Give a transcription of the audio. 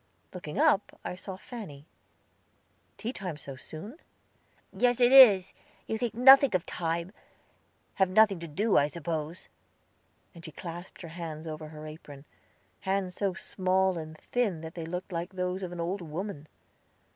Looking up, I saw Fanny. "Tea time so soon?" "Yes, it is. You think nothing of time; have nothing to do, I suppose." And she clasped her hands over her apron hands so small and thin that they looked like those of an old woman.